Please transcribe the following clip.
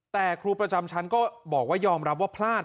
แต่ครูประจำชั้นก็บอกว่ายอมรับว่าพลาด